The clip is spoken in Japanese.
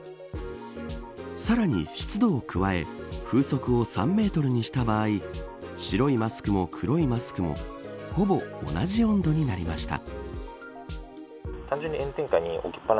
さらに湿度を加え風速を３メートルにした場合白いマスクも黒いマスクもほぼ同じ温度になりました。